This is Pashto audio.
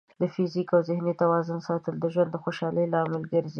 د فزیکي او ذهني توازن ساتل د ژوند د خوشحالۍ لامل ګرځي.